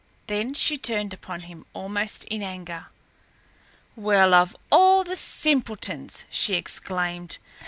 Then she turned upon him almost in anger. "Well, of all the simpletons!" she exclaimed.